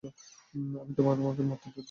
আমি তোমাকে মরতে দিতে পারবো না।